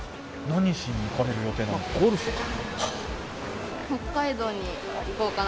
何しに行かれる予定なんですか？